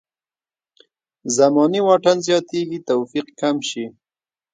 زماني واټن زیاتېږي توفیق کم شي.